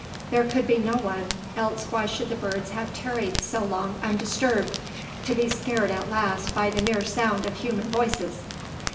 There could be no one; else why should the birds have tarried so long undisturbed, to be scared at last by the mere sound of human voices?